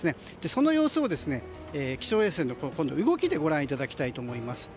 その様子を気象衛星の動きでご覧いただきたいと思います。